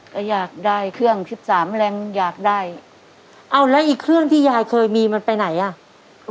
ก็อยากได้เครื่องสิบสามแรงอยากได้เอาแล้วอีกเครื่องที่ยายเคยมีมันไปไหนอ่ะ